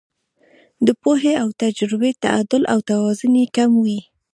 د پوهې او تجربې تعدل او توازن یې کم وي.